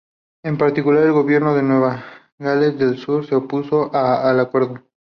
En particular, el gobierno de Nueva Gales del sur se opuso al acuerdo.